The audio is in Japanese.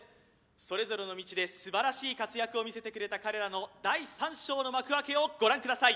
それぞれの道で素晴らしい活躍を見せてくれた彼らの第三章の幕開けをご覧ください